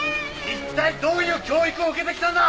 一体どういう教育を受けてきたんだ！？